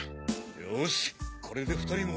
よしこれで２人も。